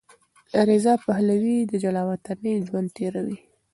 رضا پهلوي د جلاوطنۍ ژوند تېروي.